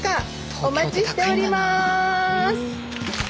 お待ちしております！